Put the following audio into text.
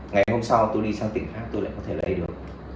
ngày hôm sau tôi đi sang tỉnh khác tôi lại có thể lấy được